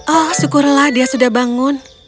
oh syukurlah dia sudah bangun